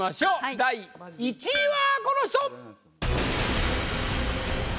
第１位はこの人！